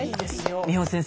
美穂先生